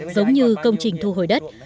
giống như công trình thu hồi đất